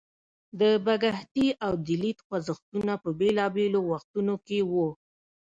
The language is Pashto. د بکهتي او دلیت خوځښتونه په بیلابیلو وختونو کې وو.